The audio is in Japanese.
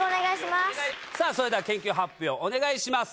それでは研究発表お願いします